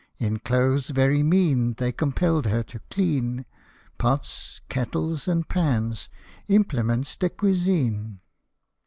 In clothes very mean they compelled her to clean Pots, kettles, and pans implements de cuisine.